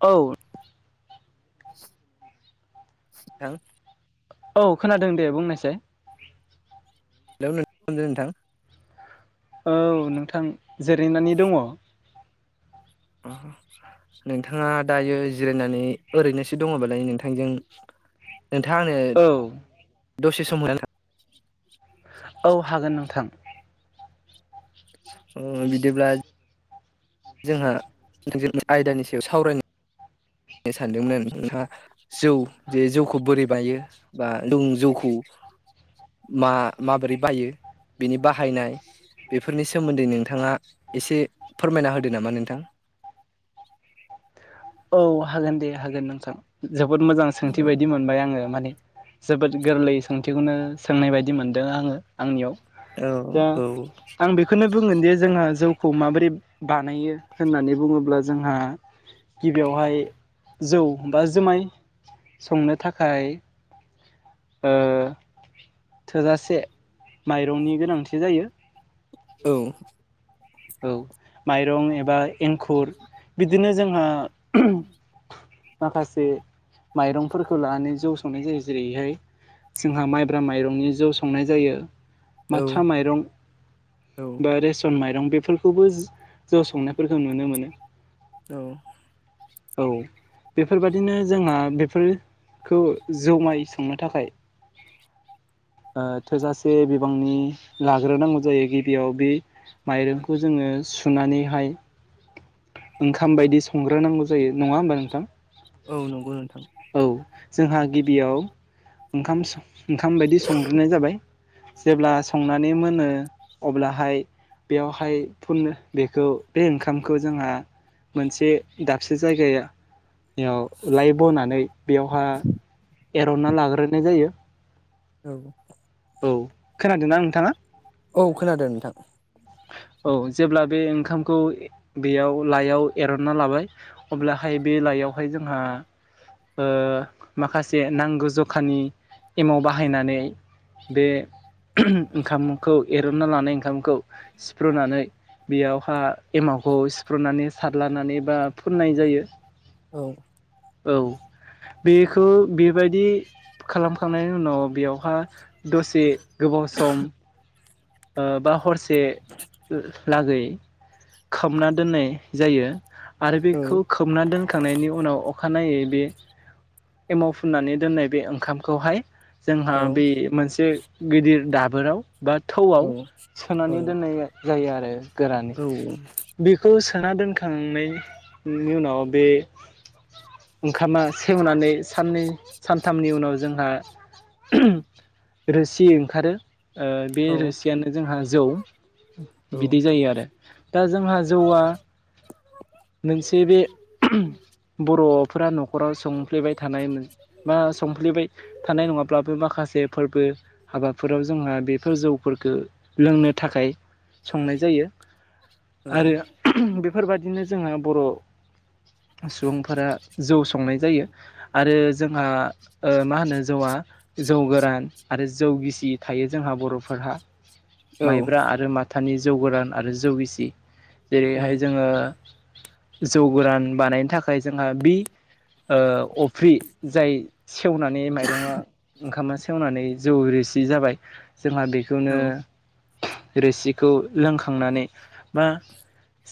औ [unintelligible] औ खोनादों दे बुंनायसै बेयाव नोंथांमोनो नोंथां औ नोंथां जिरैनानै दंङो नोंथांङा दायो जिरायनानै ओरैनोसो दंङोबालाय नोंथांजों नोंथांनो औ दसे सम [unintelligible] औ हागोन नोंथां उम बिदिब्ला जोंहा आयदानि सायाव सावरायनो सानदोंमोन नोंथांङा जौ जे जौखौ बोरै बायो बा जों जौखौ मा माबोरै बायो बिनि बाहायनाय बेफोरनि सोमोन्दै नोंथांङा एसे फोरमायना होदो नामा नोंथां औ हागोन दे हागोन नोंथां जोबोद मोजां सोंथि औ बायदि मोनबाय आंङो माने जोबोद गोरलै सोंथिखौनो सोंनाय बायदि मोनदों आंङो आंनियाव औ दा औ आं बेखौनो बुंगोन जे जोंहा जौखौ माबोरै बानायो होननानै बुङोब्ला जोंहा गिबियावहाय जौ बा जुमाय संनो थाखाय थोजासे माइरंनि गोनांथि जायो औ औ माइरं एबा एंखुर बिदिनो जोंहा माखासे माइरंफोरखौ लानानै जौ संनाय जायो जेरैहाय जोंहा माइब्रा माइरंनि जौ संनाय जायो औ माथा माइरं बा रेसन माइरं बेफोरखौबो ज' संनायफोरखौ नुनो औ मोनो औ बेफोरबादिनो जोंहा बेफोरखौ जमाय संनो थाखाय थोजासे बिबांनि लाग्रोनांगौ जायो गिबियाव बे माइरं खौ जोङो सुनानैहाय ओंखाम बायदि संग्र नांगौ जायो नङा होमबा नोंथां। औ नंगौ नोंथां। औ जोंहा गिबियाव ओंखाम ओंखाम बायदि संग्रोनाय जाबाय जेब्ला संनानै मोनो अब्लाहाय बेयावहाय फुननो बेखौ बे ओंखामखौ जोंहा मोनसे दाबसे जायगायाव लाइ बनानै बेयावहा एर'ना लाग्रोनाय जायो औ औ खोनादोंनाा नोंथाङा औ खोनादों नोंथां। औ जेब्ला बे ओंखामखौ बेयाव लाइायाव एरनना लाबाय अब्लाहाय बे लाइायावहाय जोंहा माखासे नांगौ जखानि एमाव बाहायनानै बे ओंखामखौ एरनना लानाय ओंखामखौ सिफ्रुनानै बेयावहा एमावखौ सिफ्र'नानै सारलानानै बा फुननाय जायो औ औ बेखौ बे बेबायदि खालामखांनायनि उनाव बेयावहा दसे गोबाव सम बा हरसे लागै खोमना दोननाय जायो आरो औ बेखौ खोबना दोनखांनायनि उनाव अखानायै बे एमाव फुननानै दोननाय बे ओंखामखौहाय जोंहा औ बे मोनसे गिदिर दाबोराव बा थौआव सोनानै दोननाय जायो आरो गोरानै बेखौ सोना दोनखांनायनि उनाव बे ओंखामा सेवनानै साननै सानथामनि उनाव जोंहा रोसि ओंखारो बे रोसियानो जोंहा जौ बिदै जायो आरो। दा जोंहा जौआ मोनसे बे बर'फोरा न'खराव सोंफ्लेबाय थानायमोन बा संफ्लेबाय थानाय नङाब्लाबो माखासे फोरबो हाबाफोराव जोंहा बे गो जौफोरखौ लोंनो थाखाय संनाय जायो आरो बेफोरबादिनो जोंहा बर' सुबुंफोरा जौ संनाय जायो आरो जोंहा मा होनो जौआ जौ गोरान आरो जौ गिसि थायो जोंहा बर'फोरहा माइब्रा आरो माथानि जौगोरान आरो जौगिसि जेरैहाय जोङो जौ गोरान बानायनो थाखाय जोंहा बि अफ्रि जाय सेवनानै माइरङा ओंखामा सेवनानै जौ रिसि जाबाय जोंहा बेखौनो रोसिखौ लोंखांनानै बा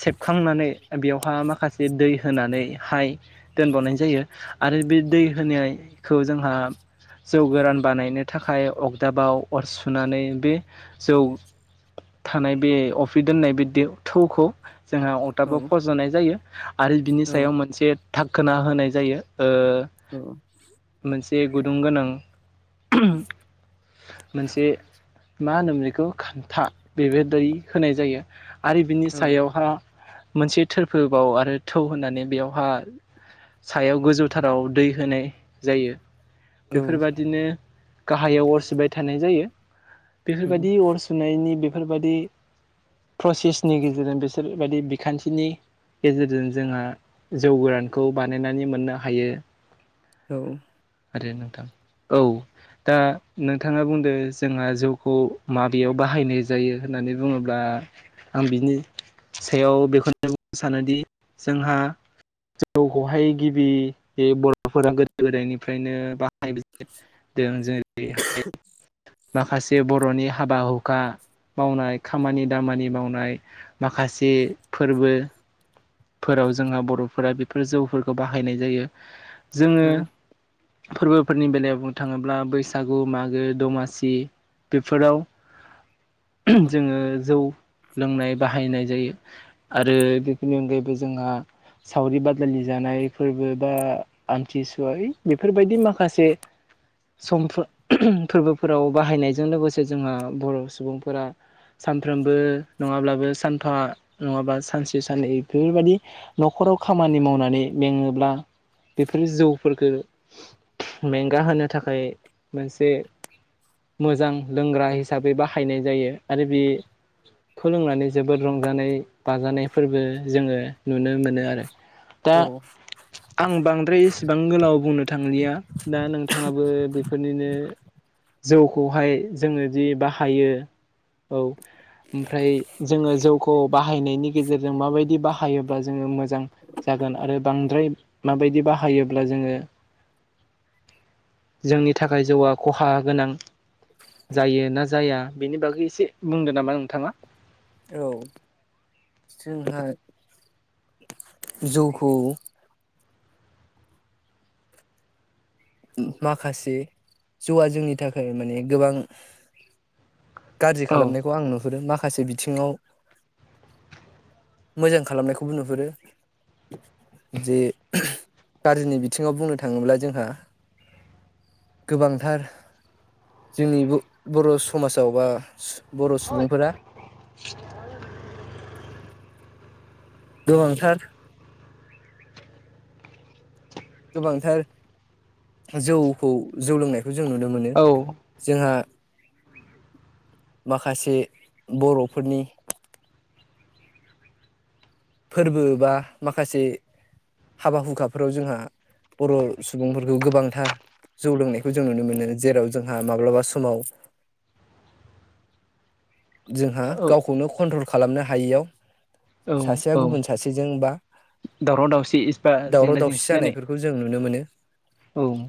सेबखांनानै बेवहा माखासे दै होनानैहाय दोनबावनाय जायो आरो बे दै होनायखौ जोंहा जौ गोरान बानायनो थाखाय अगदाबाव अर सुनानै बे जौ थानाय बे अफि दोननाय बे थौखौ जोंहा अरथाबो फज'नाय जायो आरो बिनि सायाव मोनसे थाखखोना होनाय जायो ओ औ मोनसे गुदुं गोनां मोनसे मा होनोम बेखौ खान्था बेबाय होनाय जायो आरो बिनि सायावहा मोनसे थोरफोबाव आरो थौ होननानै बेयावहा सायाव गोजौथाराव दै होनाय जायो बेफोरबायदिनो गाहायाव अर सिबाय थानाय जायो। बेफोरबायदि अर सुनायनि बेफोरबायदि प्रसेसनि गेजेरजों बिसोर बेफोरबायदि बिखान्थिनि गेजेरजों जोंहा जौ गोरानखौ बानायनानै मोननो हायो। औ आरो नोंथां औ दा नोंथाङा बुंदो जोंहा जौखौ माबेयाव बाहायनाय जायो होननानै बुङोब्ला आं बिनि सायाव बेखौनो बुंनो सानोदि जोंहा जौखौहाय गिबि बे बर'फोरा गोदो गोदायनिफ्रायनो बाहायदों जेरै माखासे बर'नि हाबा हुखा मावनाय खामानि दामानि मावनाय माखासे फोरबो फोराव जोंहा बर'फोरा बेफोर जौफोरखौ बाहायनाय जायो जोङो फोरबोफोरनि बेलायाव बुंनो थाङोब्ला बैसागु मागो दमासि बेफोराव जोङो जौ लोंनाय बाहायनाय जायो आरो बेफोरनि अनगायैबो जोंहा सावरि बादालि जानाय फोरबो बा आमथिसुवाहै बेफोरबायदि माखासे सम फोरबोफोराव बाहायनायजों लोगोसे जोंहा बर' सुबुंफोरा सानफ्रोमबो नङाब्लाबो सानफा नङाबा सानसे साननै बेफोरबायदि न'खराव खामानि मावनानै मेङोब्ला बेफोर जौफोरफोरखौ मेंगा होनो थाखाय मोनसे मोजां लोंग्रा हिसाबै बाहायनाय जायो आरो बे खोलोंनानै जोबोद रंजानाय बाजानाय फोरबो जोङो नुनो मोनो आरो दा आं बांद्राय एसेबां गोलाव बुंनो थांलिया दा नोंथाङाबो बेफोरनिनो जौखौहाय जोङोदि बाहायो औ ओमफ्राय जोङो जौखौ बाहायनायनि गेजेरजों माबायदि बाहायोब्ला जोङो मोजां जागोन आरो बांद्राय माबायदि बाहायोब्ला जोङो जोंनि थाखाय जौआ खहा गोनां जायो ना जाया बेनि बागै एसे बुंदों नामा नोंथाङा औ जोंहा जौखौ माखासे जौवआ जोंनि थाखाय माने गोबां गाज्रि औ खालामनायखौ आं नुहुरो माखासे बिथिङाव मोजां खालामनायखौबो नुहुरो। जे गाज्रिनि बिथिङाव बुंनो थाङोब्ला जोंहा गोबांथार जोंनि ब'-बर' समासाव बा बर' सुबुंफोरा गोबांथार गोबांथार जौखौ जौ लोंनायखौ जों नुनो मोनो औ जोंहा माखासे बर'फोरनि फोरबो बा माखासे हाबा हुखाफोराव जोंहा बर' सुबुंफोरखौ गोबांथार जौ लोंनायखौ जों नुनो मोनो। जेराव जोंहा माब्लाबा समाव [inaudible] जोंहा औ गावखौनो कन्ट्रल खालामनो हायियाव औ सासेया औ गुबुन सासेजों बा दावराव दावसि इसिबा जेंना जेंसि जानाय ओ जों नुनो मोनो। औ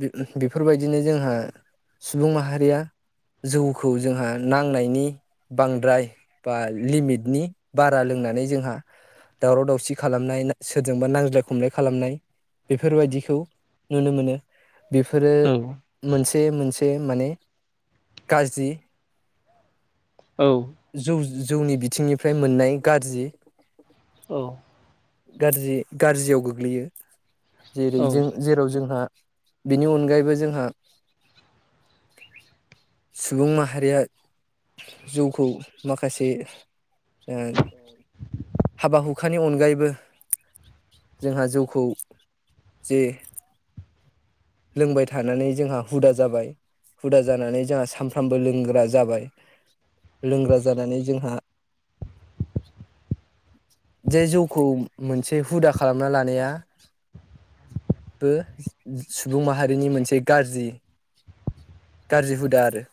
बे-बेफोरबायदिनो जोंहा सुबुं माहारिया जौखौ जोंहा नांनायनि बांद्राय बा लिमिटनि बारा लोंनानै जोंहा दावराव दावसि खालामनाय ना सोरजोंबा नांज्लाय खमलाय खालामनाय बेफोरबायदिखौ नुनो मोनो। बेफोरो औ मोनसे मोनसे माने गाज्रि औ जौ-जौनि बिथिंनिफ्राय मोननाय गाज्रि औ गार्जि-गार्जियाव गोग्लैयो। जेरै जों औ जेराव जोंहा बेनि अनगायैबो जोंहा सुबुं माहारिया जौखौ माखासे ओ हाबा हुखानि अनगायैबो जोंहा जौखौ जे लोंबाय थानानै जोंहा हुदा जाबाय। हुदा जानानै जाहा सामफ्रामबो लोंग्रा जाबाय। लोंग्रा जानानै जोंहा जे जौखौ मोनसे हुदा खालामना लानाया बो सुबुं माहारिनि मोनसे गाज्रि गारजि हुदा आरो।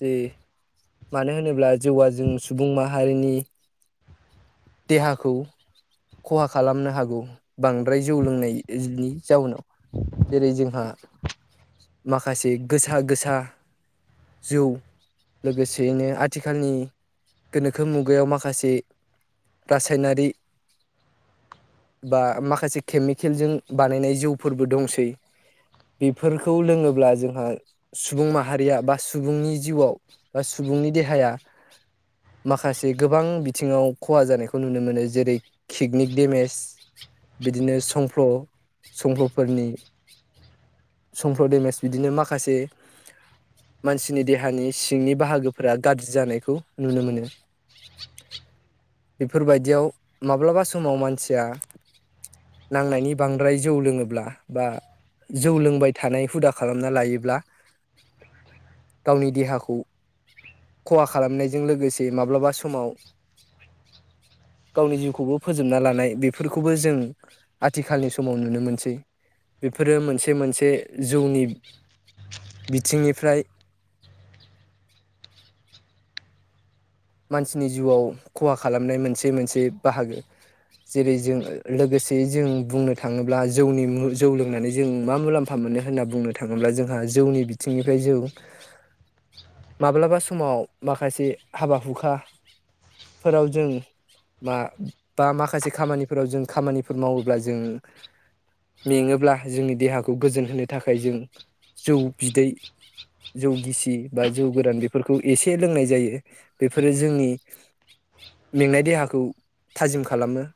जे मानो होनोब्ला जौआ जों सुबुं माहारिनि देहाखौ खहा खालामनो हागौ बांद्राय जौ लोंनाय जि इ नि जाउनाव। जेरै जोंहा माखासे गोसा गोसा जौ लोगोसेयैनो आथिखालनि गोनोखो मुगायाव माखासे रासायनारि बा माखासे केमिकेलजों बानायनाय जौफोरबो दंसै। बेफोरखौ लोङोब्ला जोंहा सुबुं माहारिया बा सुबुंनि जिउआव बा सुबुंनि देहाया माखासे गोबां बिथिङाव खहा जानायखौ नुनो मोनो। जेरै किकनिक देमेज बिदिनो संफ्ल' संफ्ल'फोरनि संफ्ल' देमेस बिदिनो माखासे मानसिनि देहानि सिंनि बाहागोफोरा गाज्रि जानायखौ नुनो मोनो। बेफोरबायदियाव माब्लाबा समाव मानसिया नांनायनि बांद्राय जौ लोङोब्ला बा जौ लोंबाय थानाय हुदा खालामना लायोब्ला गावनि देहाखौ खहा खालामनायजों लोगोसे माब्लाबा समाव [inaudible] गावनि जिउखौबो फोजोबना लानाय। बेफोरखौबो जों आथिखालनि समाव नुनो मोनसै। बेफोरो मोनसे मोनसे जौनि बिथिंनिफ्राय मानसिनि जिउआव खहा खालामनाय मोनसे मोनसे बाहागो। जेरै जों लोगोसेयै जों बुंनो थाङोब्ला जौनि मु जौ लोंनानै जों मा मुलाम्फा म्फा मोनो होनना बुंनो थाङोब्ला जोंहा जौनि बिथिंनिफ्राय जों [unintelligible] माब्लाबा समाव माखासे हाबा हुखा फोराव जों मा बा माखासे खामानिफोराव जों खामानिफोर मावोब्ला जों मेङोब्ला जोंनि देहाखौ गोजोन होनो थाखाय जों जौ बिदै जौ गिसि बा जौ गोरान बेफोरखौ एसे लोंनाय जायो बेफोरो जोंनि मेंनाय देहाखौ थाजिम खालामो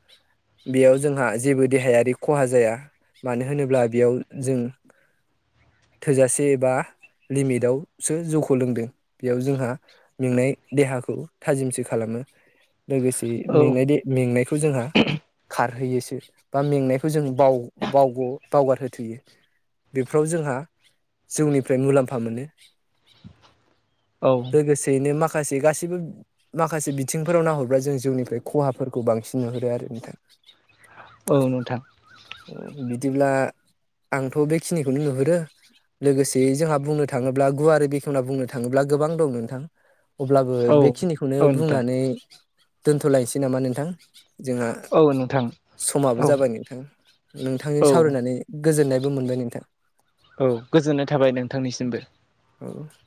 बेयाव जोंहा जेबो देहायारि खहा जाया मानो होनोब्ला बेयाव जों थोजासे एबा लिमिटआवसो जौखौ लोंदों बेयाव जोंहा मेंनाय देहाखौ थाजिमसो खालामो लोगोसे औ मेंनाय मेंनायखौ जोंहा खारहोयोसो बा मेंनायखौ जों बाव बावग' बावगारहोथोयो बेफोराव जोंहा जौनिफ्राय मुलाम्फा मोनो [inaudible] लोगोसेयैनो माखा खासे गासैबो माखासे बिथिंफोराव नाहरब्ला जों जउनिफ्राय खहाफोरखौ बांसिन नुहरो आरो नोंथां। [inaudible] औ नोंथां। बिदिब्ला आंथ' बेखिनिखौनो नुहुरो लोगोसे जोंहा बुंनो थाङोब्ला गुवारै बेखेवना बुंनो थाङोब्ला गोबां दं नोंथां अब्लाबो औ बेखिनिखौनो औ नोंथां बुंनानै दोनथ'लायनोसै नामा नोंथां जोंहा औ नोंथां समाबो औ जाबाय नोंथां नोंथांजों औ सावरायनानै गोजोननायबो मोनबाय नोंथां औ गोजोननाय थाबाय नोंथांनिसिमबो। औ